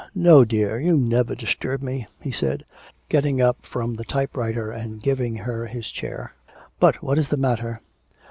'No, dear: you never disturb me,' he said, getting up from the type writer and giving her his chair. 'But what is the matter?'